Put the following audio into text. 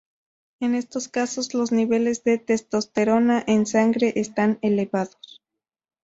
En estos casos los niveles de testosterona en sangre están elevados.